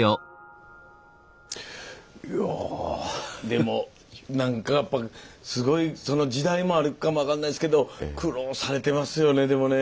でもなんかやっぱりすごいその時代もあるかも分かんないですけど苦労されてますよねでもね。